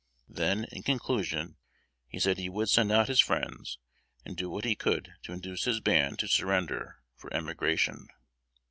Then, in conclusion, he said he would send out his friends, and do what he could to induce his band to surrender, for emigration.